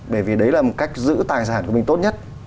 bởi vì đấy là một cách giữ tài sản của mình tốt nhất